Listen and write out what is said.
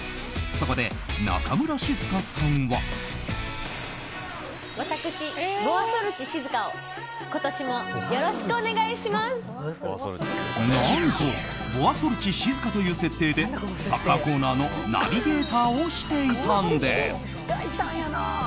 そこで、中村静香さんは。何とボアソルチ静香という設定でサッカーコーナーのナビゲーターをしていたんです。